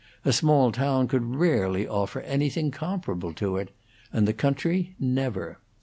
A small town could rarely offer anything comparable to it, and the country never.